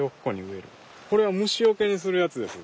これは虫よけにするやつです。